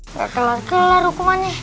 gak terlalu kelar hukumannya